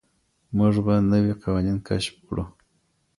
موږ به نوي قوانين کشف کړو.